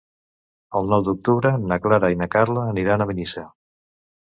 El nou d'octubre na Clara i na Carla aniran a Benissa.